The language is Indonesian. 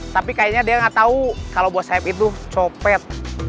tapi kayaknya dia nggak tahu kalau buat sayap itu copet